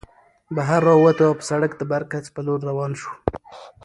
بهر راووتو او پۀ سړک د برکڅ په لور روان شو